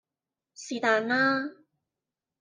是但啦